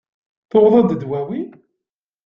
Tuɣeḍ-d dwawi?